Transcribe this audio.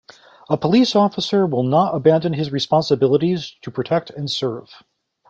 A police officer will not abandon his responsibilities to protect and serve.